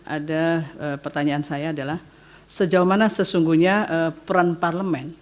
ada pertanyaan saya adalah sejauh mana sesungguhnya peran parlemen